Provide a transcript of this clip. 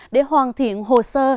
để hoàn thiện hồ sơ